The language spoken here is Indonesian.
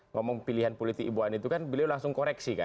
ngomong pilihan politik ibu ani itu kan beliau langsung koreksi kan